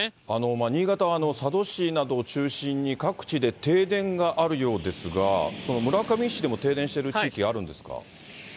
新潟は佐渡市などを中心に、各地で停電があるようですが、その村上市でも停電している地域があるんですか？